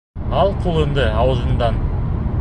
— Ал ҡулыңды ауыҙыңдан!